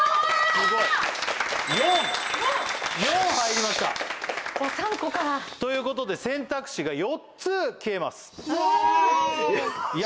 すごい４４入りました３個かということで選択肢が４つ消えますイエーイ！